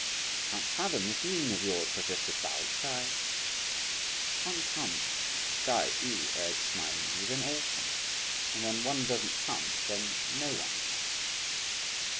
"I can't fathom this meaning of yours," protested Pao Ch'ai. "If one comes," Tai yü urged smiling, "then all come, and when one doesn't come, then no one comes.